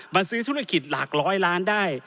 มาซื้อธุรกิจหลัก๑๐๐ล้านได้